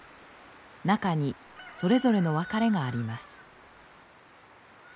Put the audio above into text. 中にそれぞれの別れがあります。